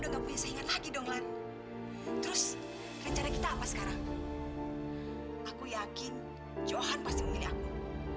mungkin johan pasti memilih aku